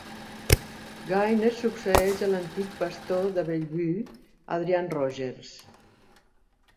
Gaines succeeix a l'antic pastor de Bellevue, Adrian Rogers.